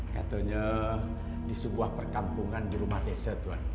katanya di sebuah perkampungan di rumah desa tuhan